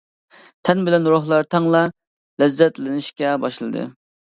تەن بىلەن روھلار تەڭلا لەززەتلىنىشكە باشلىدى.